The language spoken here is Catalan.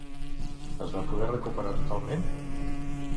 Es va poder recuperar totalment?